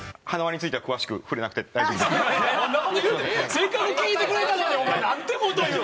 せっかく聞いてくれたのにお前何てこと言う。